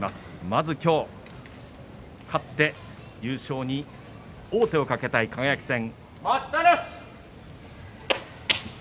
まず今日勝って優勝に王手をかけたい輝戦。